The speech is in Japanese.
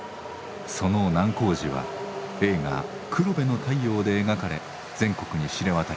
その難工事は映画「黒部の太陽」で描かれ全国に知れ渡りました。